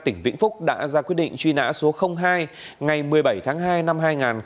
tại tỉnh vĩnh phúc đã ra quyết định truy nã số hai ngày một mươi bảy tháng hai năm hai nghìn hai mươi ba